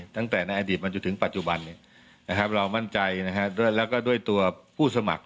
ตั้งแต่ในอดีตมาจนถึงปัจจุบันเรามั่นใจแล้วก็ด้วยตัวผู้สมัคร